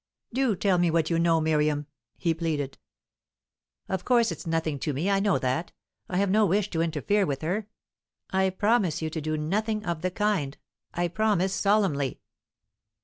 "Do tell me what you know, Miriam," he pleaded. "Of course it's nothing to me; I know that. I have no wish to interfere with her; I promise you to do nothing of the kind; I promise solemnly!"